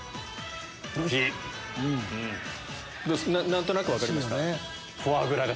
何となく分かりました？